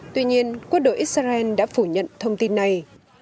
tuy nhiên quân đội israel đã phủ nhận thông tin này